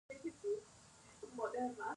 د مڼې شربت روغتیایی دی.